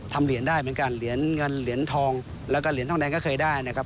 เหรียญได้เหมือนกันเหรียญเงินเหรียญทองแล้วก็เหรียญทองแดงก็เคยได้นะครับ